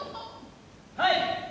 はい！